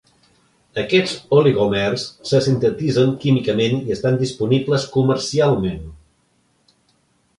Aquests oligòmers se sintetitzen químicament i estan disponibles comercialment.